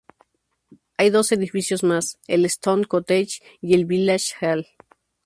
Hay dos edificios más, el "Stone Cottage" y el "village hall".